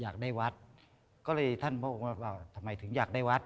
อยากได้วัดก็เลยท่านพระองค์ว่าทำไมถึงอยากได้วัด